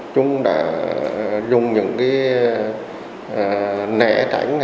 chúng đã dùng những nẻ tránh